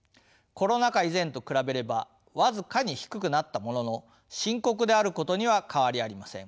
コロナ禍以前と比べれば僅かに低くなったものの深刻であることには変わりありません。